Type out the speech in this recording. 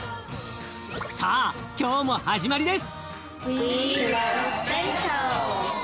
さあ今日も始まりです！